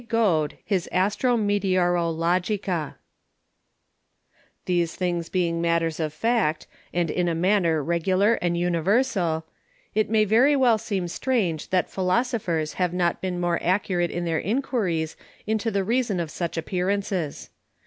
Goad_, his Astro Meteoro Logica. These things being Matters of Fact, and in a manner Regular and Universal, it may very well seem strange that Philosophers have not been more accurate in their Enquiries into the Reason of such Appearances.